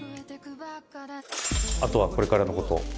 あとはこれからのこと？